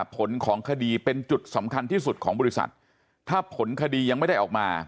ผลของคดีเป็นจุดสำคัญที่สุดของบริษัทถ้าผลคดียังไม่ได้ออกมา